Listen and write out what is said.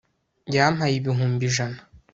yampaye ibihumbi ijana